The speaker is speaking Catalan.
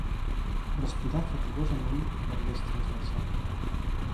Respirar fatigosament per l'Eix Transversal.